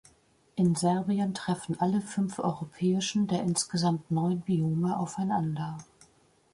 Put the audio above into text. In Serbien treffen alle fünf europäischen der insgesamt neun Biome aufeinander.